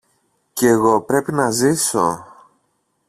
Κι εγώ πρέπει να ζήσω!